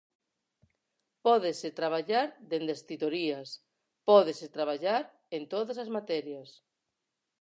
Pódese traballar dende as titorías, pódese traballar en todas as materias.